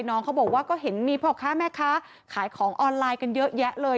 น้องเขาบอกว่าก็เห็นมีพ่อค้าแม่ค้าขายของออนไลน์กันเยอะแยะเลย